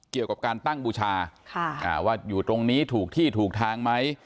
เกี่ยวกับการตั้งบูชาว่าอยู่ตรงนี้ถูกที่ถูกทางไหม